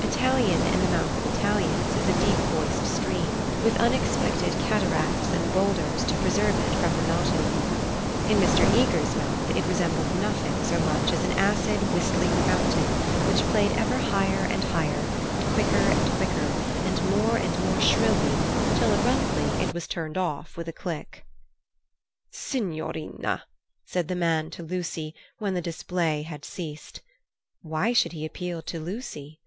Italian in the mouth of Italians is a deep voiced stream, with unexpected cataracts and boulders to preserve it from monotony. In Mr. Eager's mouth it resembled nothing so much as an acid whistling fountain which played ever higher and higher, and quicker and quicker, and more and more shrilly, till abruptly it was turned off with a click. "Signorina!" said the man to Lucy, when the display had ceased. Why should he appeal to Lucy?